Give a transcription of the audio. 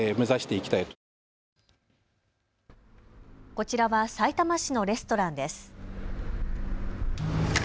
こちらはさいたま市のレストランです。